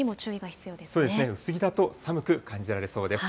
そうですね、薄着だと寒く感じられそうです。